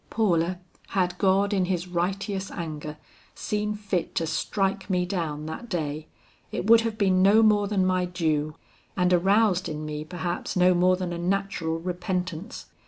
"Paula, had God in his righteous anger seen fit to strike me down that day, it would have been no more than my due and aroused in me, perhaps, no more than a natural repentence.